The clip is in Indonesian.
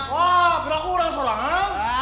wah beraku orang solangan